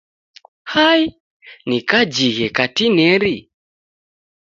Hai, ni kajighe katineri!